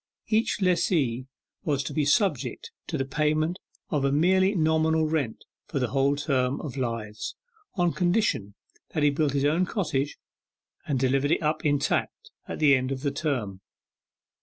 Each lessee was to be subject to the payment of a merely nominal rent for the whole term of lives, on condition that he built his own cottage, and delivered it up intact at the end of the term.